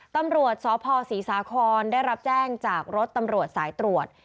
ตำรวจสพศรีสาครได้รับแจ้งจากรถตำรวจสายตรวจ